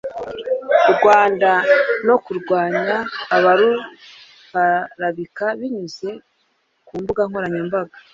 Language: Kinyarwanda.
Rwanda no kurwanya abaruharabika binyuze ku mbuga nkoranyambaga